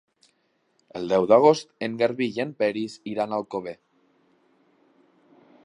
El deu d'agost en Garbí i en Peris iran a Alcover.